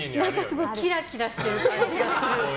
すごいキラキラしてる感じがする。